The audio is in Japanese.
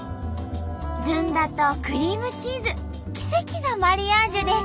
ずんだとクリームチーズ奇跡のマリアージュです。